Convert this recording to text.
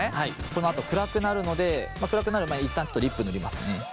このあと暗くなるので暗くなる前に一旦ちょっとリップ塗りますね。